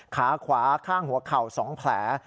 ขาขวาข้างหัวเข่า๒แผล